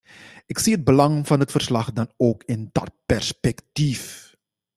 Ik zie het belang van het verslag dan ook in dat perspectief.